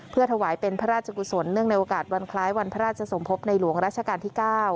เพื่อถวายเป็นพระราชกุศลเนื่องในโอกาสวันคล้ายวันพระราชสมภพในหลวงราชการที่๙